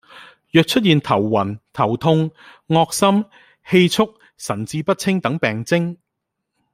若出現頭暈、頭痛、噁心、氣促、神志不清等病徵